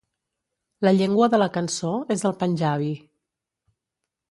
La llengua de la cançó és el panjabi.